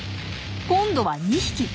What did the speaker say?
今度は２匹。